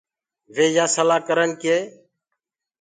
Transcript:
وي يآ سلآ ڪرن ڪي